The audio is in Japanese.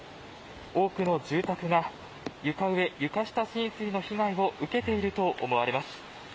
多くの住宅が床上、床下浸水の被害を受けていると思われます。